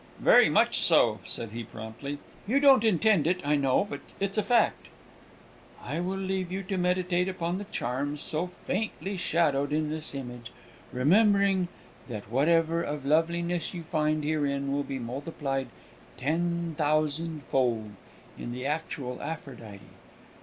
"Very much so," said he, promptly. "You don't intend it, I know; but it's a fact." "I will leave you to meditate upon the charms so faintly shadowed in this image, remembering that whatever of loveliness you find herein will be multiplied ten thousand fold in the actual Aphrodite!